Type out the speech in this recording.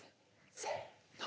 せの。